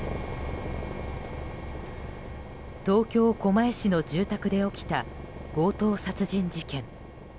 東京・狛江市の住宅で起きた強盗殺人事件。